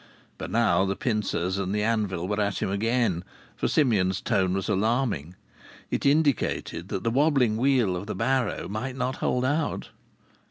But now the pincers and the anvil were at him again, for Simeon's tone was alarming. It indicated that the wobbling wheel of the barrow might not hold out.